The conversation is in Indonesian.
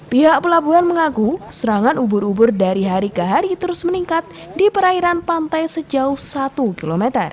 pihak pelabuhan mengaku serangan ubur ubur dari hari ke hari terus meningkat di perairan pantai sejauh satu km